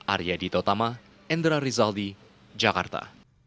arya dito tama endra rizaldi jakarta